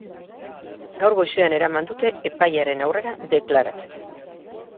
Gaur goizean eraman dute epailearen aurrera, deklaratzera.